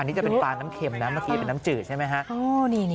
อันนี้จะเป็นน้ำเข็มน้ำเจือดใช่ไหม